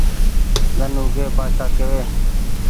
ۮن اوڳي بآڇآ ڪيوي